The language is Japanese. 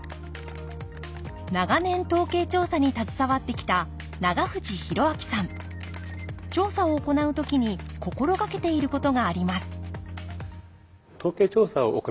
長年統計調査に携わってきた調査を行う時に心掛けていることがあります